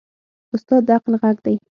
استاد د عقل غږ دی.